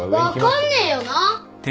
分かんねえよな。